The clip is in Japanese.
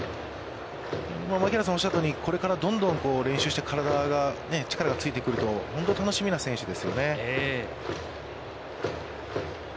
槙原さんがおっしゃったように、これからどんどん、練習して、体が力がついてくると本当に楽しみな選手ですよね。